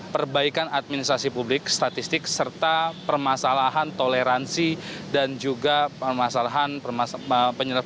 perbaikan administrasi publik statistik serta permasalahan toleransi dan juga permasalahan